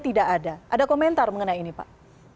tidak ada ada komentar mengenai ini pak